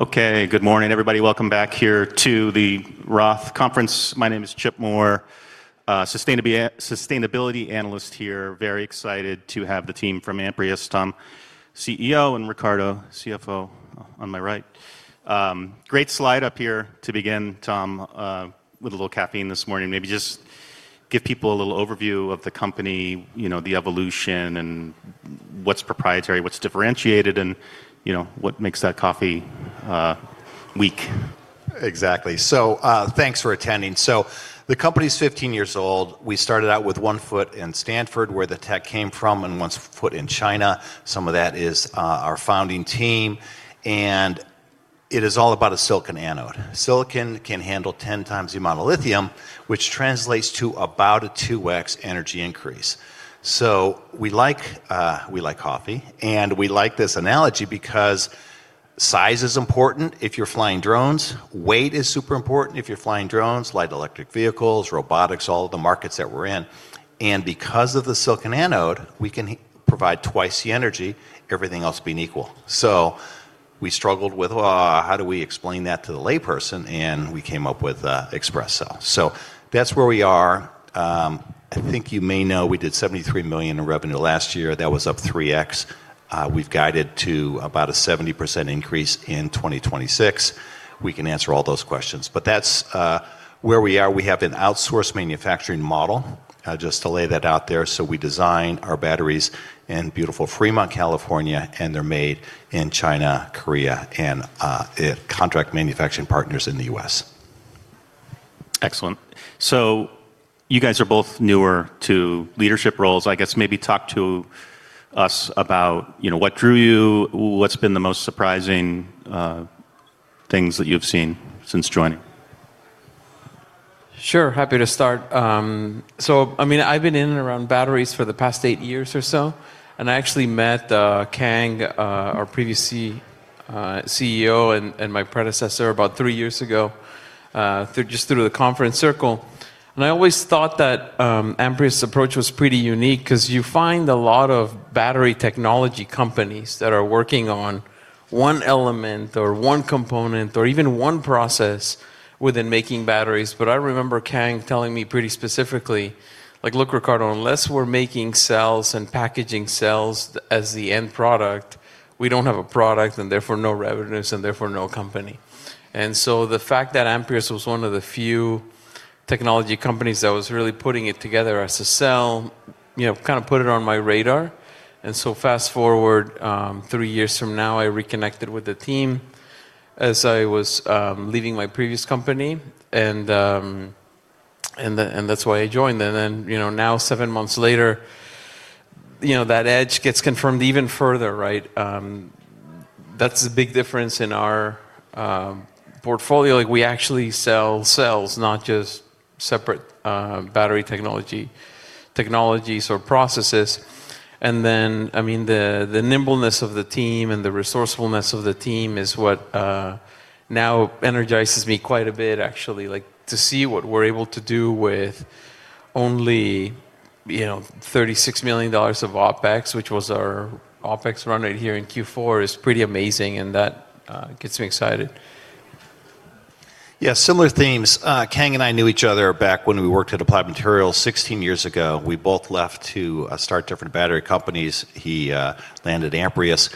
Okay, good morning, everybody. Welcome back here to the Roth Conference. My name is Chip Moore, sustainability analyst here. Very excited to have the team from Amprius, Tom, CEO and Ricardo, CFO, on my right. Great slide up here to begin, Tom, with a little caffeine this morning. Maybe just give people a little overview of the company, you know, the evolution and what's proprietary, what's differentiated and you know, what makes that coffee, weak. Exactly. Thanks for attending. The company's 15 years old. We started out with one foot in Stanford, where the tech came from and one foot in China. Some of that is our founding team and it is all about a silicon anode. Silicon can handle 10 times the amount of lithium, which translates to about a 2x energy increase. We like coffee and we like this analogy because size is important if you're flying drones. Weight is super important if you're flying drones, light electric vehicles, robotics, all of the markets that we're in. And because of the silicon anode, we can provide twice the energy, everything else being equal. We struggled with, well, how do we explain that to the layperson? And we came up with Express Cell. That's where we are. I think you may know we did $73 million in revenue last year. That was up 3x. We've guided to about a 70% increase in 2026. We can answer all those questions. That's where we are. We have an outsourced manufacturing model, just to lay that out there. We design our batteries in beautiful Fremont, California and they're made in China, Korea and contract manufacturing partners in the U.S. Excellent. You guys are both newer to leadership roles. I guess maybe talk to us about, you know, what drew you, what's been the most surprising, things that you've seen since joining. Sure. Happy to start. I mean, I've been in and around batteries for the past eight years or so and I actually met Kang, our previous CEO and my predecessor about three years ago, through just through the conference circle. I always thought that Amprius' approach was pretty unique because you find a lot of battery technology companies that are working on one element or one component or even one process within making batteries. I remember Kang telling me pretty specifically, like, "Look, Ricardo, unless we're making cells and packaging cells as the end product, we don't have a product and therefore no revenues and therefore no company." The fact that Amprius was one of the few technology companies that was really putting it together as a cell, you know, kind of put it on my radar. Fast-forward three years from now, I reconnected with the team as I was leaving my previous company and that's why I joined. You know, now seven months later, you know, that edge gets confirmed even further, right? That's a big difference in our portfolio. Like, we actually sell cells, not just separate battery technologies or processes. I mean, the nimbleness of the team and the resourcefulness of the team is what now energizes me quite a bit, actually. Like, to see what we're able to do with only, you know, $36 million of OpEx, which was our OpEx run rate here in Q4, is pretty amazing and that gets me excited. Yeah, similar themes. Kang and I knew each other back when we worked at Applied Materials 16 years ago. We both left to start different battery companies. He landed Amprius.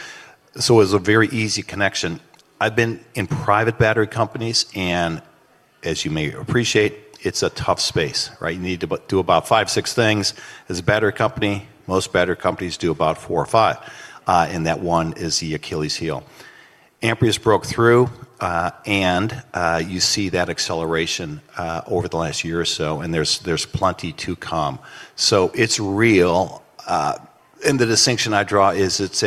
It was a very easy connection. I've been in private battery companies and as you may appreciate, it's a tough space, right? You need to do about five, six things as a battery company. Most battery companies do about four or five and that one is the Achilles heel. Amprius broke through and you see that acceleration over the last year or so and there's plenty to come. It's real. The distinction I draw is it's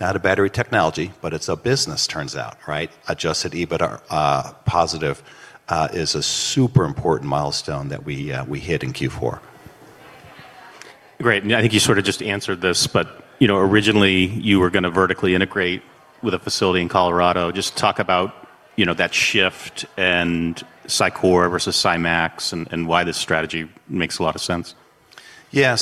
not a battery technology but it's a business, turns out, right? Adjusted EBITDA positive is a super important milestone that we hit in Q4. Great. I think you sort of just answered this but you know, originally you were gonna vertically integrate with a facility in Colorado. Just talk about, you know, that shift and SiCore versus SiMaxx and why this strategy makes a lot of sense. Yeah.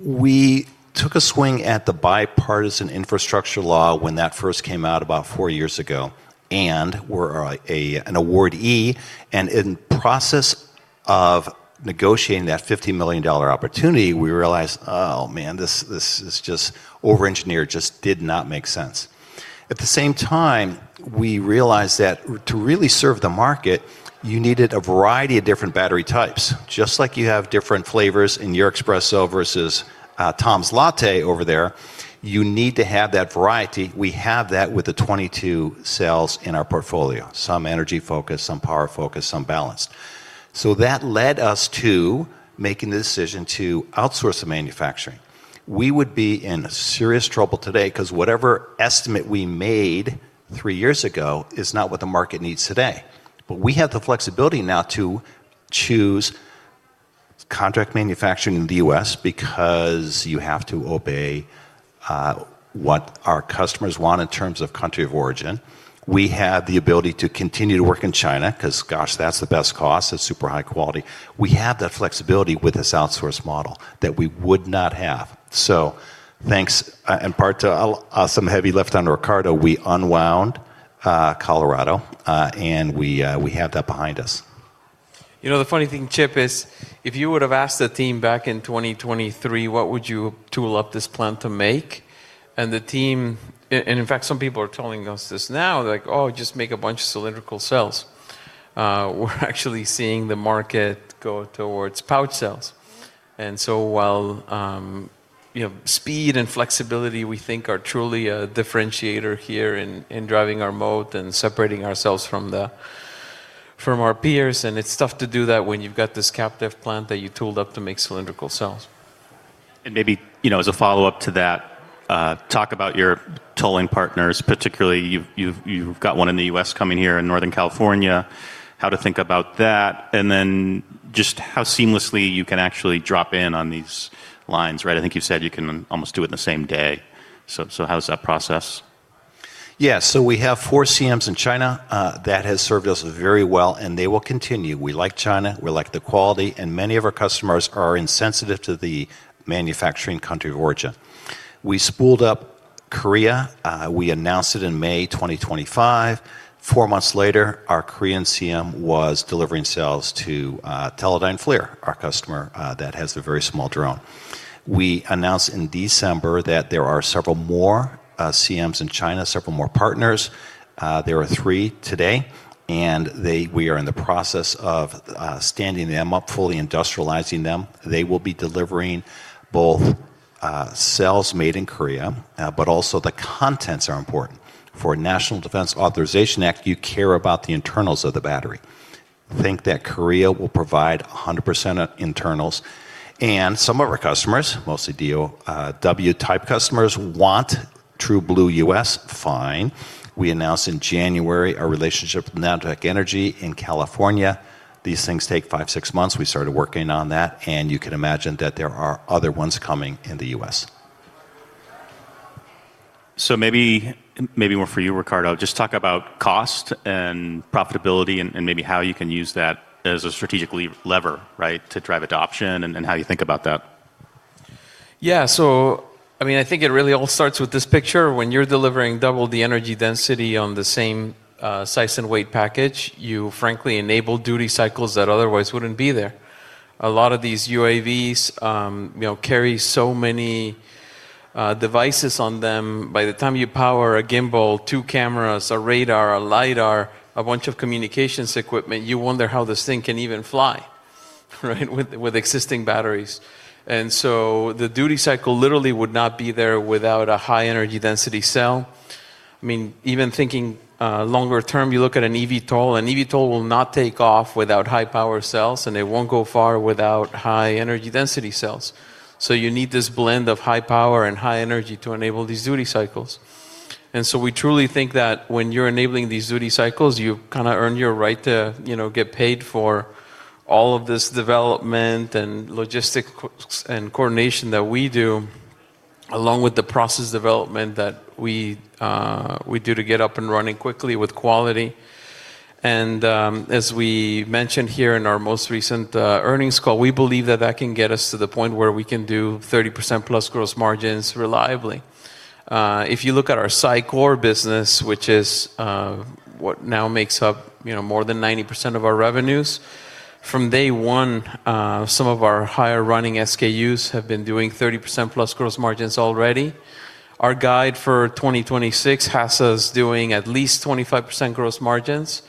We took a swing at the Bipartisan Infrastructure Law when that first came out about four years ago and we're an awardee. In process of negotiating that $50 million opportunity, we realized, oh, man, this is just overengineered, just did not make sense. At the same time, we realized that to really serve the market, you needed a variety of different battery types. Just like you have different flavors in your espresso versus Tom's latte over there, you need to have that variety. We have that with the 22 cells in our portfolio. Some energy focus, some power focus, some balance. That led us to making the decision to outsource the manufacturing. We would be in serious trouble today because whatever estimate we made 3 years ago is not what the market needs today. We have the flexibility now to choose contract manufacturing in the U.S. because you have to obey what our customers want in terms of country of origin. We have the ability to continue to work in China because gosh, that's the best cost. It's super high quality. We have that flexibility with this outsource model that we would not have. Thanks in part to some heavy lifting under Ricardo. We unwound Colorado and we have that behind us. You know, the funny thing, Chip, is if you would have asked the team back in 2023, what would you tool up this plant to make? And the team and in fact, some people are telling us this now, like, "Oh, just make a bunch of cylindrical cells." We're actually seeing the market go towards pouch cells. While, you know, speed and flexibility, we think are truly a differentiator here in driving our moat and separating ourselves from our peers and it's tough to do that when you've got this captive plant that you tooled up to make cylindrical cells. Maybe, you know, as a follow-up to that, talk about your tooling partners, particularly you've got one in the U.S. coming online in Northern California, how to think about that and then just how seamlessly you can actually drop in on these lines, right? I think you said you can almost do it in the same day. How's that process? Yeah. We have four CMs in China that has served us very well and they will continue. We like China, we like the quality and many of our customers are insensitive to the manufacturing country of origin. We spooled up Korea. We announced it in May 2025. Four months later, our Korean CM was delivering cells to Teledyne FLIR, our customer that has the very small drone. We announced in December that there are several more CMs in China, several more partners. There are three today and we are in the process of standing them up, fully industrializing them. They will be delivering both cells made in Korea but also the contents are important. For National Defense Authorization Act, you care about the internals of the battery. I think that Korea will provide 100% of internals and some of our customers, mostly DoD, W-type customers want true blue U.S. Fine. We announced in January our relationship with Nanotech Energy in California. These things take five, six months. We started working on that and you can imagine that there are other ones coming in the U.S. Maybe more for you, Ricardo. Just talk about cost and profitability and maybe how you can use that as a strategic lever, right, to drive adoption and how you think about that. Yeah. I mean, I think it really all starts with this picture. When you're delivering double the energy density on the same, size and weight package, you frankly enable duty cycles that otherwise wouldn't be there. A lot of these UAVs, you know, carry so many, devices on them. By the time you power a gimbal, two cameras, a radar, a lidar, a bunch of communications equipment, you wonder how this thing can even fly, right, with existing batteries. The duty cycle literally would not be there without a high energy density cell. I mean, even thinking, longer term, you look at an eVTOL. An eVTOL will not take off without high-power cells and it won't go far without high energy density cells. You need this blend of high power and high energy to enable these duty cycles. We truly think that when you're enabling these duty cycles, you kinda earn your right to, you know, get paid for all of this development and logistic coordination that we do, along with the process development that we do to get up and running quickly with quality. As we mentioned here in our most recent earnings call, we believe that that can get us to the point where we can do 30%+ gross margins reliably. If you look at our SiCore business, which is what now makes up, you know, more than 90% of our revenues. From day one, some of our higher running SKUs have been doing 30%+ gross margins already. Our guide for 2026 has us doing at least 25% gross margins.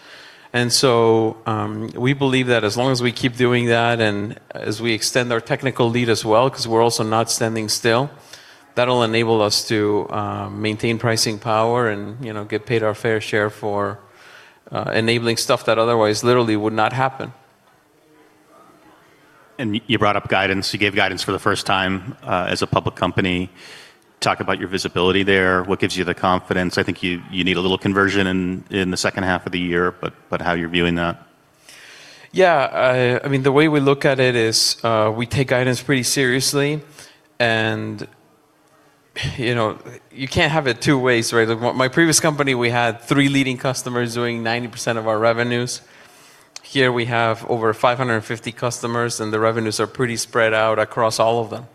We believe that as long as we keep doing that and as we extend our technical lead as well, 'cause we're also not standing still, that'll enable us to maintain pricing power and, you know, get paid our fair share for enabling stuff that otherwise literally would not happen. You brought up guidance. You gave guidance for the first time as a public company. Talk about your visibility there. What gives you the confidence? I think you need a little conversion in the second half of the year but how you're viewing that. Yeah. I mean, the way we look at it is, we take guidance pretty seriously and, you know, you can't have it two ways, right? My previous company, we had three leading customers doing 90% of our revenues. Here we have over 550 customers and the revenues are pretty spread out across all of them.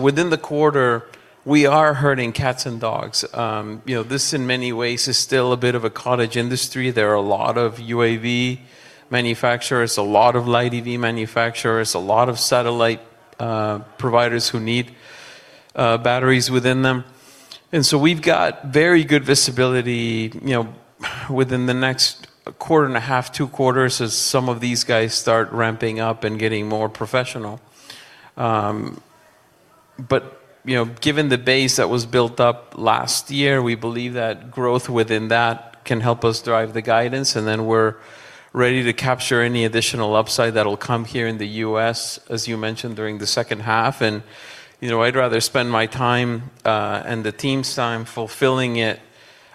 Within the quarter, we are herding cats and dogs. You know, this, in many ways, is still a bit of a cottage industry. There are a lot of UAV manufacturers, a lot of light EV manufacturers, a lot of satellite providers who need batteries within them. We've got very good visibility, you know, within the next quarter and a half, two quarters, as some of these guys start ramping up and getting more professional. You know, given the base that was built up last year, we believe that growth within that can help us drive the guidance and then we're ready to capture any additional upside that'll come here in the U.S., as you mentioned, during the second half. You know, I'd rather spend my time and the team's time fulfilling it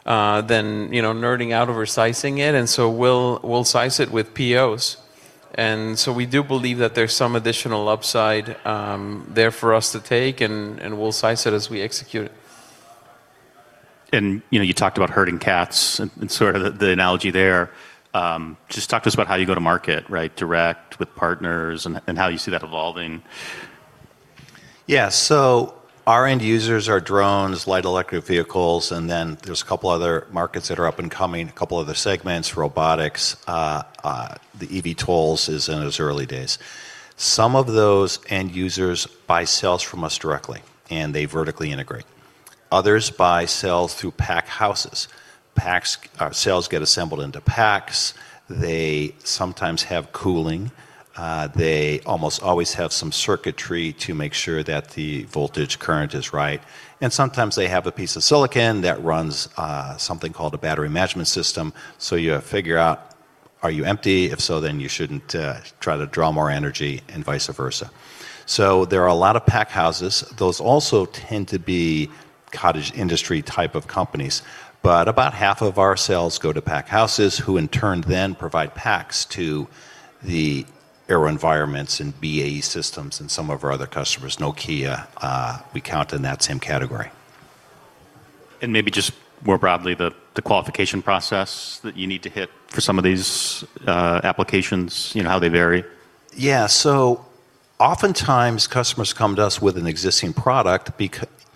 than you know, nerding out over sizing it. We'll size it with POs. We do believe that there's some additional upside there for us to take and we'll size it as we execute it. You know, you talked about herding cats and sort of the analogy there. Just talk to us about how you go to market, right? Direct, with partners and how you see that evolving. Yeah. Our end users are drones, light electric vehicles and then there's a couple other markets that are up and coming, a couple other segments, robotics, the eVTOLs is in its early days. Some of those end users buy cells from us directly and they vertically integrate. Others buy cells through pack houses. Cells get assembled into packs. They sometimes have cooling. They almost always have some circuitry to make sure that the voltage current is right. Sometimes they have a piece of silicon that runs something called a battery management system. You figure out, are you empty? If so, then you shouldn't try to draw more energy and vice versa. There are a lot of pack houses. Those also tend to be cottage industry type of companies. about half of our cells go to pack houses, who in turn then provide packs to the AeroVironment and BAE Systems and some of our other customers. Nokia, we count in that same category. Maybe just more broadly, the qualification process that you need to hit for some of these applications, you know, how they vary. Yeah. Oftentimes, customers come to us with an existing product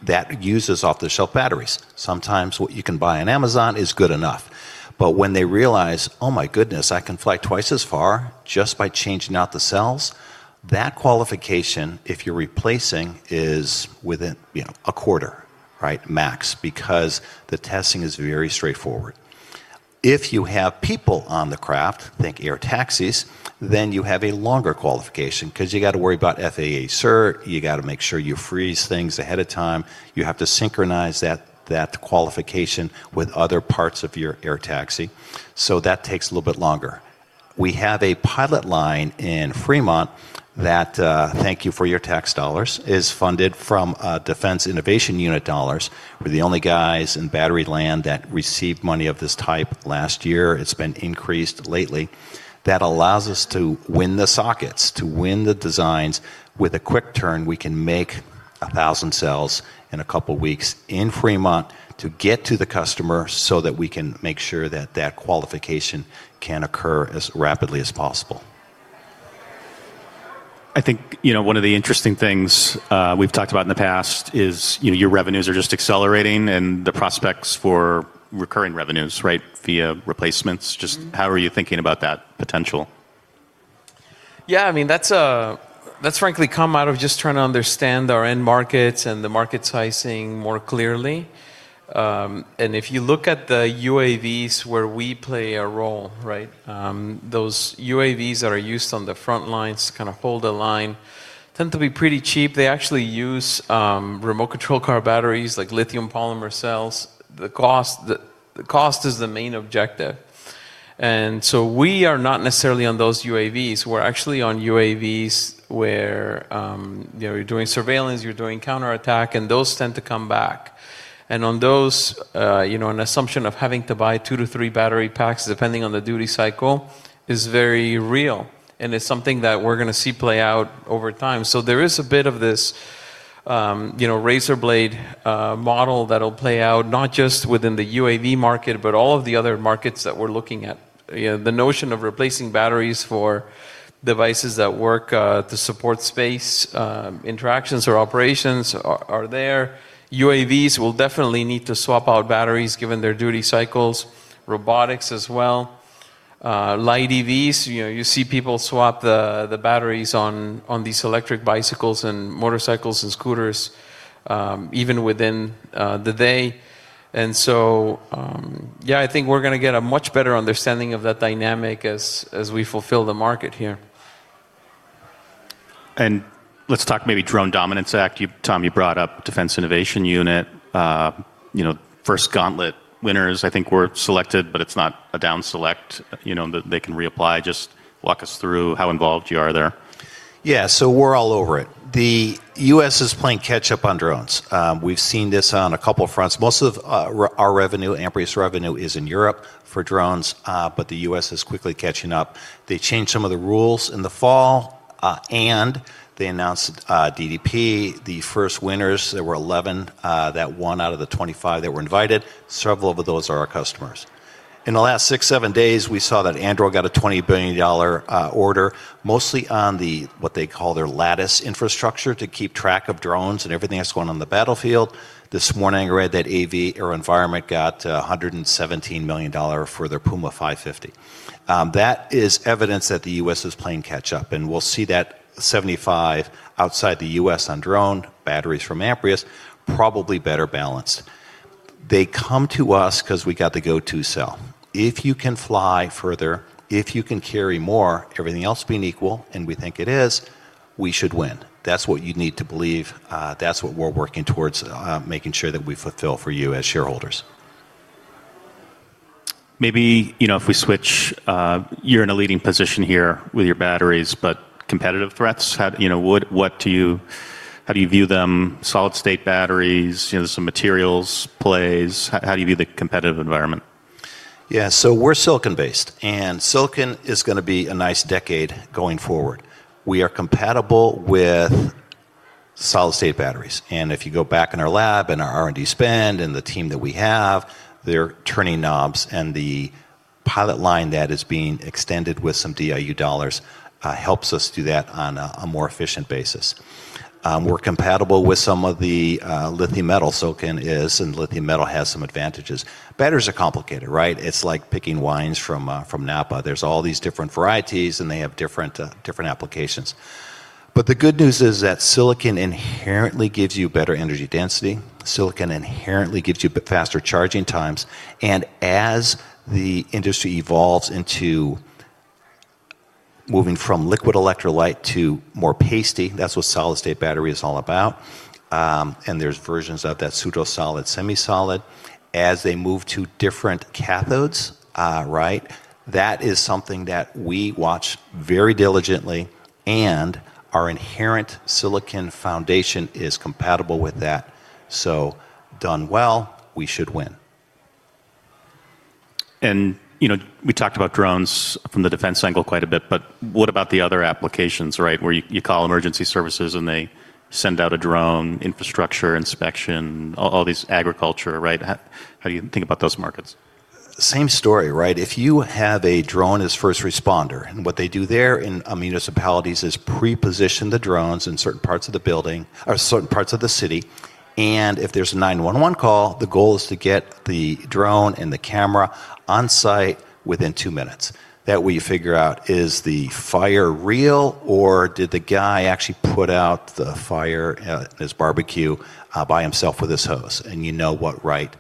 that uses off-the-shelf batteries. Sometimes what you can buy on Amazon is good enough. When they realize, oh my goodness, I can fly twice as far just by changing out the cells, that qualification, if you're replacing, is within, you know, a quarter, right, max, because the testing is very straightforward. If you have people on the craft, think air taxis, then you have a longer qualification 'cause you got to worry about FAA cert, you got to make sure you freeze things ahead of time, you have to synchronize that qualification with other parts of your air taxi. That takes a little bit longer. We have a pilot line in Fremont that, thank you for your tax dollars, is funded from Defense Innovation Unit dollars. We're the only guys in battery land that received money of this type last year. It's been increased lately, that allows us to win the sockets, to win the designs. With a quick turn, we can make 1,000 cells in a couple weeks in Fremont to get to the customer so that we can make sure that qualification can occur as rapidly as possible. I think, you know, one of the interesting things we've talked about in the past is, you know, your revenues are just accelerating and the prospects for recurring revenues, right, via replacements. Just how are you thinking about that potential? Yeah, I mean, that's frankly come out of just trying to understand our end markets and the market sizing more clearly. If you look at the UAVs where we play a role, right, those UAVs that are used on the front lines, kinda hold the line, tend to be pretty cheap. They actually use remote control car batteries like lithium polymer cells. The cost is the main objective. We are not necessarily on those UAVs. We're actually on UAVs where, you know, you're doing surveillance, you're doing counterattack and those tend to come back. On those, you know, an assumption of having to buy two-three battery packs, depending on the duty cycle, is very real and it's something that we're gonna see play out over time. There is a bit of this, you know, razor blade model that'll play out not just within the UAV market but all of the other markets that we're looking at. You know, the notion of replacing batteries for devices that work to support space interactions or operations are there. UAVs will definitely need to swap out batteries given their duty cycles, robotics as well. Light EVs, you know, you see people swap the batteries on these electric bicycles and motorcycles and scooters, even within the day. Yeah, I think we're gonna get a much better understanding of that dynamic as we fulfill the market here. Let's talk maybe Drone Dominance Act. You, Tom, you brought up Defense Innovation Unit. You know, first gauntlet winners I think were selected but it's not a down select. You know, they can reapply. Just walk us through how involved you are there. Yeah. We're all over it. The U.S. is playing catch up on drones. We've seen this on a couple fronts. Most of our revenue, Amprius revenue, is in Europe for drones but the U.S. is quickly catching up. They changed some of the rules in the fall and they announced DDP. The first winners, there were 11 that won out of the 25 that were invited. Several of those are our customers. In the last six, seven days, we saw that Anduril got a $20 billion order, mostly on the what they call their Lattice infrastructure to keep track of drones and everything that's going on the battlefield. This morning, I read that AeroVironment got a $117 million for their Puma 550. That is evidence that the U.S. is playing catch up and we'll see that 75% outside the U.S. on drone batteries from Amprius, probably better balanced. They come to us 'cause we got the go-to sell. If you can fly further, if you can carry more, everything else being equal and we think it is, we should win. That's what you need to believe. That's what we're working towards, making sure that we fulfill for you as shareholders. Maybe, you know, if we switch, you're in a leading position here with your batteries but competitive threats, how do you view them? Solid-state batteries, you know, some materials plays. How do you view the competitive environment? Yeah. We're silicon-based and silicon is gonna be a nice decade going forward. We are compatible with solid-state batteries. If you go back in our lab and our R&D spend and the team that we have, they're turning knobs and the pilot line that is being extended with some DIU dollars helps us do that on a more efficient basis. We're compatible with some of the lithium metal, silicon is and lithium metal has some advantages. Batteries are complicated, right? It's like picking wines from Napa. There's all these different varieties and they have different applications. The good news is that silicon inherently gives you better energy density. Silicon inherently gives you faster charging times. As the industry evolves into moving from liquid electrolyte to more pasty, that's what solid-state battery is all about and there are versions of that, pseudo-solid, semi-solid, as they move to different cathodes, right? That is something that we watch very diligently and our inherent silicon foundation is compatible with that. Done well, we should win. You know, we talked about drones from the defense angle quite a bit but what about the other applications, right? Where you call emergency services and they send out a drone, infrastructure inspection, all these agriculture, right? How do you think about those markets? Same story, right? If you have a drone as first responder and what they do there in municipalities is pre-position the drones in certain parts of the building or certain parts of the city and if there's a 911 call, the goal is to get the drone and the camera on site within 2 minutes. That way you figure out, is the fire real or did the guy actually put out the fire at his barbecue by himself with his hose and you know what right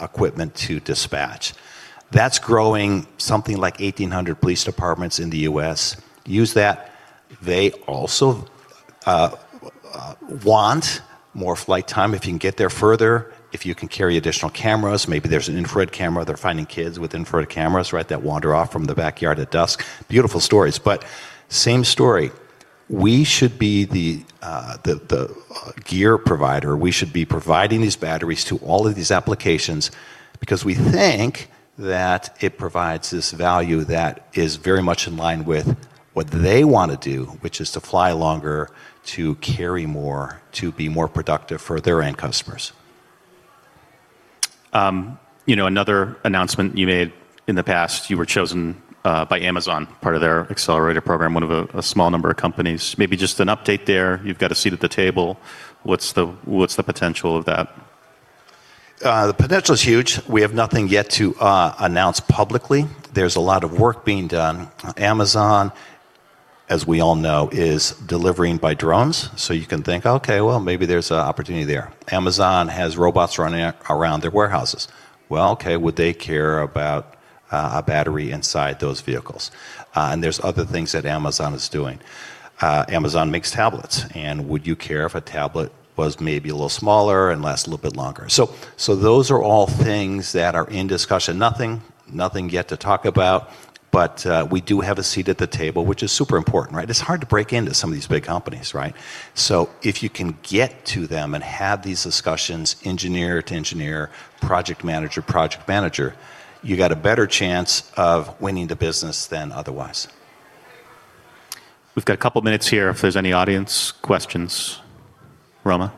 equipment to dispatch. That's growing. Something like 1,800 police departments in the U.S. use that. They also want more flight time. If you can get there further, if you can carry additional cameras, maybe there's an infrared camera. They're finding kids with infrared cameras, right, that wander off from the backyard at dusk. Beautiful stories but same story. We should be the gear provider. We should be providing these batteries to all of these applications because we think that it provides this value that is very much in line with what they wanna do, which is to fly longer, to carry more, to be more productive for their end customers. You know, another announcement you made in the past, you were chosen by Amazon, part of their accelerator program, one of a small number of companies. Maybe just an update there. You've got a seat at the table. What's the potential of that? The potential is huge. We have nothing yet to announce publicly. There's a lot of work being done. Amazon, as we all know, is delivering by drones. You can think, "Okay, well, maybe there's an opportunity there." Amazon has robots running around their warehouses. Well, okay, would they care about a battery inside those vehicles? There's other things that Amazon is doing. Amazon makes tablets and would you care if a tablet was maybe a little smaller and lasts a little bit longer? Those are all things that are in discussion. Nothing yet to talk about but we do have a seat at the table, which is super important, right? It's hard to break into some of these big companies, right? If you can get to them and have these discussions, engineer to engineer, project manager, you got a better chance of winning the business than otherwise. We've got a couple minutes here if there's any audience questions. Roma?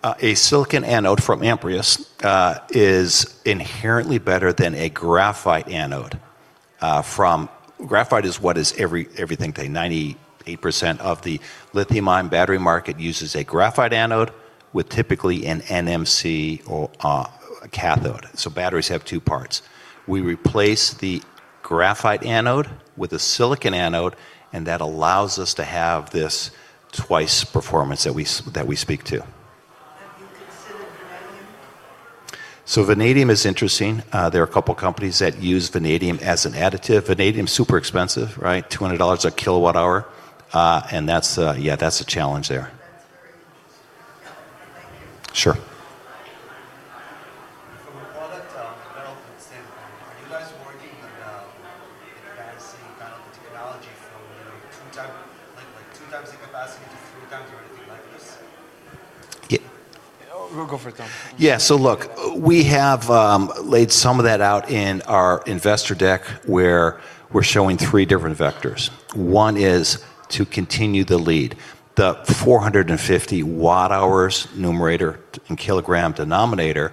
Thank you. Thank you very much. Too bad you don't have to sign the name of the company. In any case, you're saying that silicon is much better than lithium? A silicon anode from Amprius is inherently better than a graphite anode. Graphite is what is everything today. 98% of the lithium-ion battery market uses a graphite anode with typically an NMC or a cathode. Batteries have two parts. We replace the graphite anode with a silicon anode and that allows us to have this twice performance that we speak to. Have you considered vanadium? Vanadium is interesting. There are a couple companies that use vanadium as an additive. Vanadium is super expensive, right? $200 a kWh and that's a challenge there. That's very interesting. Thank you. Sure. From a product development standpoint, are you guys working on advancing kind of the technology from, you know, like two times the capacity to three times or anything like this? Go for it, Tom. Look, we have laid some of that out in our investor deck, where we're showing three different vectors. One is to continue the lead. The 450 watt hours numerator and kilogram denominator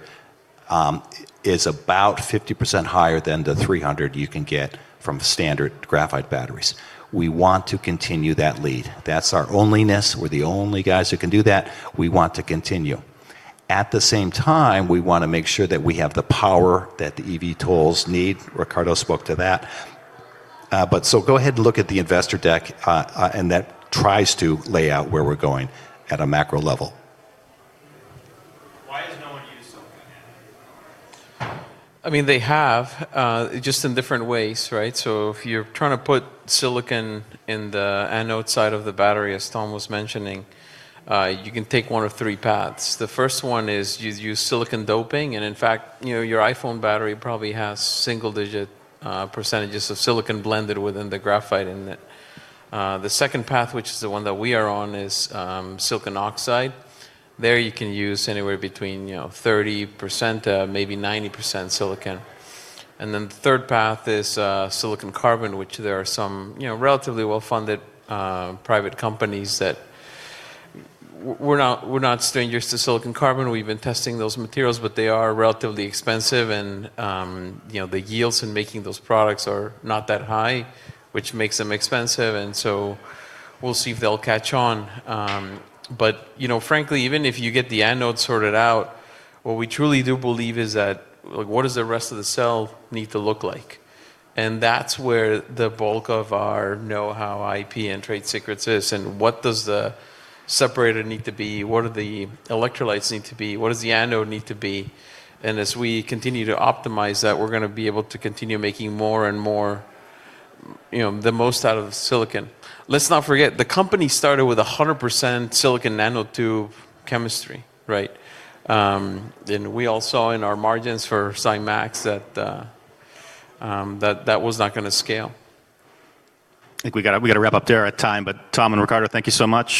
is about 50% higher than the 300 you can get from standard graphite batteries. We want to continue that lead. That's our onlyness. We're the only guys who can do that. We want to continue. At the same time, we wanna make sure that we have the power that the eVTOLs need. Ricardo spoke to that. Go ahead and look at the investor deck and that tries to lay out where we're going at a macro level. Why has no one used silicon anode before? I mean, they have just in different ways, right? If you're trying to put silicon in the anode side of the battery, as Tom was mentioning, you can take one of three paths. The first one is you use silicon doping and in fact, you know, your iPhone battery probably has single-digit percentages of silicon blended within the graphite in it. The second path, which is the one that we are on, is silicon oxide. There you can use anywhere between, you know, 30%, maybe 90% silicon. The third path is silicon-carbon, which there are some, you know, relatively well-funded private companies that we're not strangers to silicon-carbon. We've been testing those materials but they are relatively expensive and, you know, the yields in making those products are not that high, which makes them expensive and so we'll see if they'll catch on. You know, frankly, even if you get the anode sorted out, what we truly do believe is that, like, what does the rest of the cell need to look like? That's where the bulk of our know-how, IP and trade secrets is and what does the separator need to be? What do the electrolytes need to be? What does the anode need to be? As we continue to optimize that, we're gonna be able to continue making more and more, you know, the most out of the silicon. Let's not forget, the company started with 100% silicon nanotube chemistry, right? We all saw in our margins for SiMaxx that was not gonna scale. I think we got to wrap up there at time but Tom and Ricardo, thank you so much.